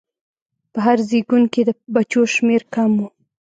په هر زېږون کې د بچو شمېر کم و.